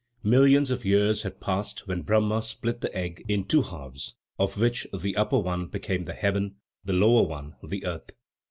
Millions of years had passed when Brahma split the egg in two halves, of which the upper one became the heaven, the lower one, the earth.